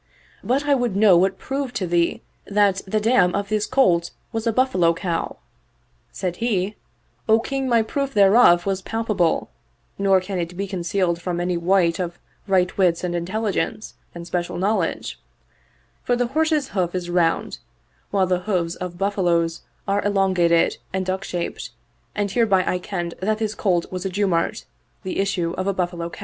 But I would know what proved to thee that the dam of this colt was a buffalo cow ?" Said he, " O King, my proof thereof was palpable nor can it be concealed from any wight of right wits and intelligence and special knowledge; for the horse's hoof is round while the hooves of buffaloes are elon gated and duck shaped, and hereby I kenned that this colt was a jumart, the issue of a cow buffalo."